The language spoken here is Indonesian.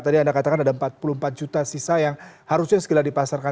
tadi anda katakan ada empat puluh empat juta sisa yang harusnya segera dipasarkan